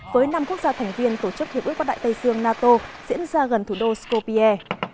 với năm quốc gia thành viên tổ chức hiệp ước bắc đại tây dương nato diễn ra gần thủ đô skopia